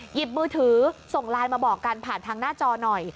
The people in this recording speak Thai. หยิบมือถือส่งไลน์มาบอกกันผ่านทางหน้าจอหน่อย